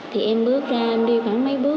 thì em bước ra em đi khoảng một mươi triệu